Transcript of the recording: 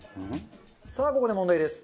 さあここで問題です。